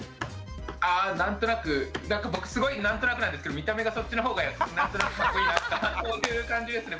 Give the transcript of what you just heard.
あ何となく僕すごい何となくなんですけど見た目がそっちのほうが何となくかっこいいなとかそういう感じですね